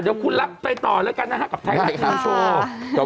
อะเดี๋ยวคุณลับไปต่อแล้วกันนะครับกับแทนไทยของโชว์